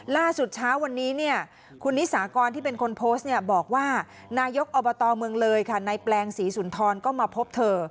ล่าสุดเช้าวันนี้เนี่ยคุณนิสากรที่เป็นคนโพสต์เนี่ยบอกว่านายกอบตเมืองเลยค่ะในแปลงศรีสุนทรก็มาพบเธอ